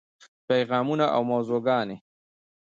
پیغامونه او موضوعګانې: